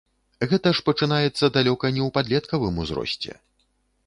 Гэта ж пачынаецца далёка не ў падлеткавым узросце.